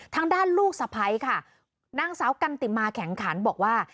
ทางด้านลูกสะพ้ายค่ะนางสาวกันติมาแข็งขันบอกว่า